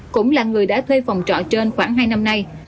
cũng là người đã thuê phòng trọ trên khoảng hai năm nay